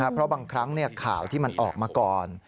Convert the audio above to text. เพราะบางครั้งข่าวที่มันออกมาก่อน